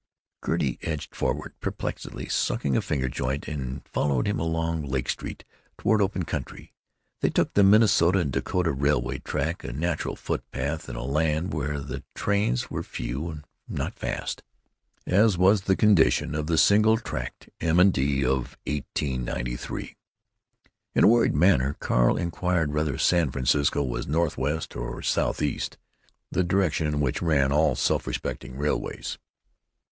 Gertie edged forward, perplexedly sucking a finger joint, and followed him along Lake Street toward open country. They took to the Minnesota & Dakota railroad track, a natural footpath in a land where the trains were few and not fast, as was the condition of the single tracked M. & D. of 1893. In a worried manner Carl inquired whether San Francisco was northwest or southeast—the directions in which ran all self respecting railroads.